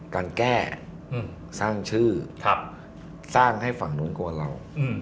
การแก้สร้างชื่อสร้างให้ฝั่งนู้นกลัวเรา